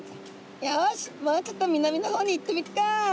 よしもうちょっと南の方に行ってみっか！」。